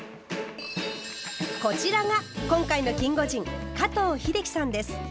こちらが今回のキンゴジン加藤秀樹さんです。